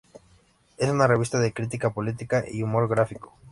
Es una revista de crítica política y humor gráfico.